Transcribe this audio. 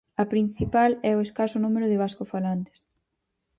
A principal é o escaso número de vascofalantes.